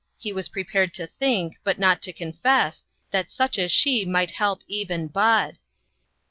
He was prepared to think, but not to confess, that such as she might help even Bud.